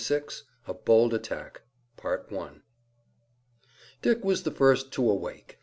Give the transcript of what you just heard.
A BOLD ATTACK Dick was the first to awake.